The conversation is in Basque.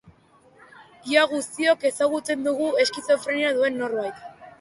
Ia guztiok ezagutzen dugu eskizofrenia duen norbait.